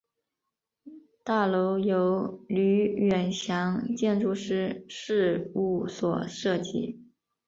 大楼由吕元祥建筑师事务所设计。